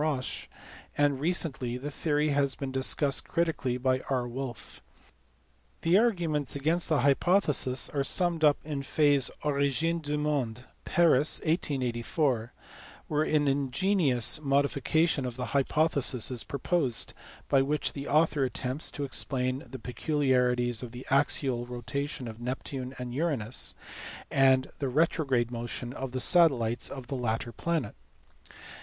Roche, and recently the theory has been discussed critically by R. Wolf. The arguments against the hypothesis are summed up in Faye s Oriyine du monde, Paris, 1884, where an ingenious modi fication of the hypothesis is proposed, by which the author attempts to explain the peculiarities of the axial rotation of Neptune and Uranus, and the retrograde motion of the satellites of the latter planet.